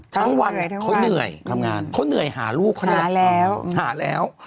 ทั้งวันเขาเหนื่อยเขาเหนื่อยหาลูกเขาหาแล้ว